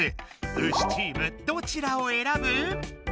ウシチームどちらをえらぶ？